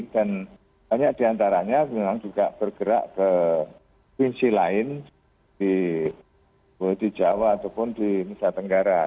dan banyak di antaranya memang juga bergerak ke klinisi lain di jawa ataupun di nusa tenggara